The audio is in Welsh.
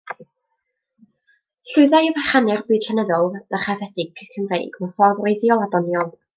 Llwydda i fychanu'r byd llenyddol dyrchafedig Cymreig mewn ffordd wreiddiol a doniol.